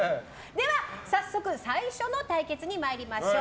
では早速最初の対決に参りましょう。